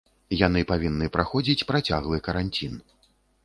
Яны павінны праходзіць працяглы каранцін.